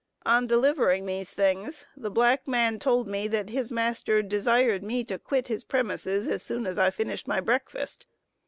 On delivering these things, the black man told me that his master desired me to quit his premises as soon as I had finished my breakfast.